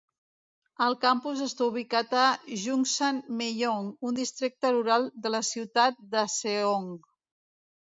El campus està ubicat a Juksan-myeon, un districte rural de la ciutat d'Anseong.